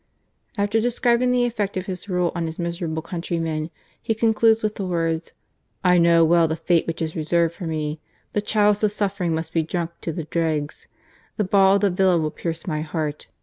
After describing the effect of his rule on his miserable countrymen he concludes with the words: " I know well the fate which is reserved for me. The chalice of suffering must be drunk to the dregs — the ball of the villain will pierce my heart.